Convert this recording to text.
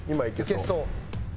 いけそう。